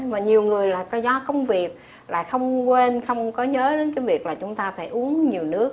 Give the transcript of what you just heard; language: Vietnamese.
và nhiều người là do công việc là không quên không có nhớ đến cái việc là chúng ta phải uống nhiều nước